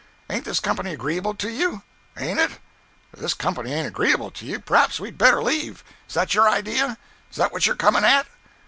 Ain't this company agreeable to you? Ain't it? If this company ain't agreeable to you, p'r'aps we'd better leave. Is that your idea? Is that what you're coming at?"